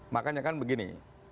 makanya kan begini